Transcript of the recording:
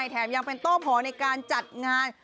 แท้เนี่ยเป็นโต้พอในการจัดงาน